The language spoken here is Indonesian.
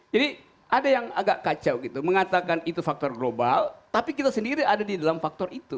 jadi ada yang agak kacau gitu mengatakan itu faktor global tapi kita sendiri ada di dalam faktor itu